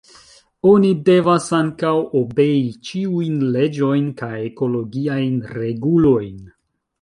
Oni devas ankaŭ obei ĉiujn leĝojn kaj ekologiajn regulojn.